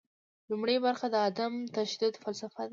لومړۍ برخه د عدم تشدد فلسفه ده.